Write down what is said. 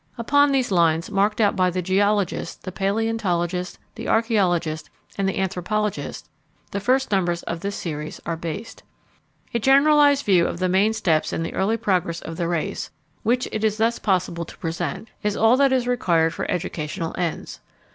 Upon these lines, marked out by the geologist, the paleontologist, the archæologist, and the anthropologist, the first numbers of this series are based. A generalized view of the main steps in the early progress of the race, which it is thus possible to present, is all that is required for educational ends.